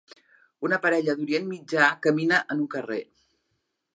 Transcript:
Una parella d'Orient Mitjà camina en un carrer